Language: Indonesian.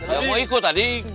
ya mau ikut adik